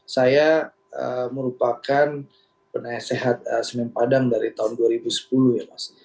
saya merupakan penasehat semen padang dari tahun dua ribu sepuluh ya mas